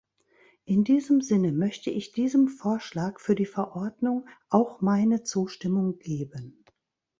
In diesem Sinne möchte ich diesem Vorschlag für die Verordnung auch meine Zustimmung geben.